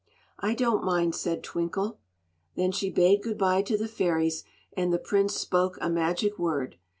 "I don't mind," said Twinkle. Then she bade good bye to the fairies, and the prince spoke a magic word.